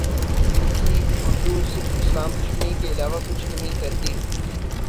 be B C Urdu صرف اسلام دشمنی کے علاوہ کچھ نہیں کرتی